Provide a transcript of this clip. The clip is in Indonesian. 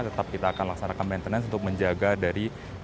tetap kita akan laksanakan maintenance untuk menjaga dari